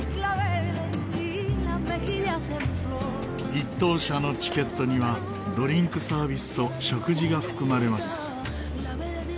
一等車のチケットにはドリンクサービスと食事が含まれます。